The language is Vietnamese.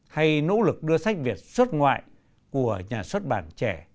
hay nỗ lực đưa sách việt xuất ngoại của hội nhà văn